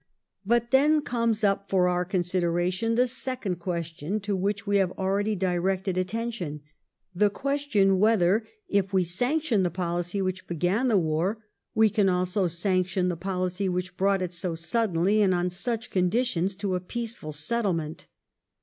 89 But then comes up for our consideration, the second question to which we have akeady directed attention — the question whether, if we sanction the policy which began the war, we can also sanction the pohcy which brought it so suddenly and on such conditions to a peaceful settlement.